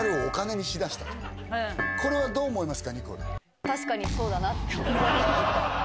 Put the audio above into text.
これはどう思いますか？